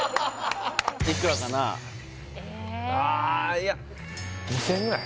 あいや２０００円ぐらい？